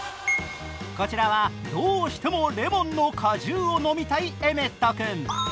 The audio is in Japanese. こちらはどうしてもレモンの果汁を飲みたいエメット君。